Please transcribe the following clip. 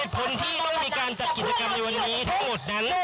คนที่ต้องมีการจัดกิจกรรมในวันนี้ทั้งหมดนั้น